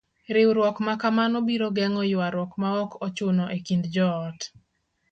Riwruok ma kamano biro geng'o yuaruok maok ochuno e kind joot.